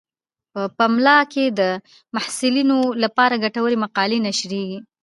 په پملا کې د محصلینو لپاره ګټورې مقالې نشریږي.